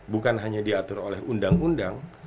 bukan hanya diatur oleh undang undang